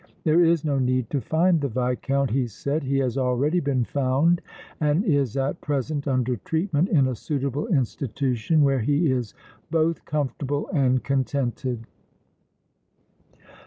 "There is no need to find the Viscount," he said. "He has already been found and is at present under treatment in a suitable institution, where he is both comfortable and contented."